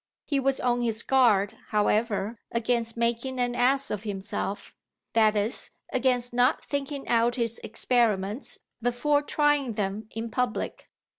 He was on his guard, however, against making an ass of himself, that is against not thinking out his experiments before trying them in public.